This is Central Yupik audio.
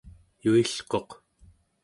yuilquq